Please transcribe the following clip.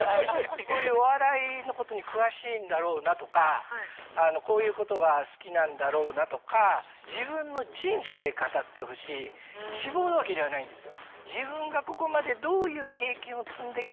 こういうお笑いのことに詳しいんだろうなとかこういうことが好きなんだろうなとかっていうのがあると思います。